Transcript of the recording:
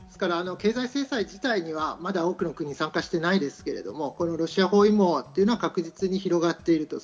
経済制裁自体にはまだ多くの国は参加していないですけれども、ロシア包囲網というのは確実に広がっている。